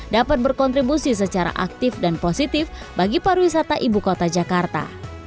dapat berkontribusi secara aktif dan positif bagi pariwisata ibu kota jakarta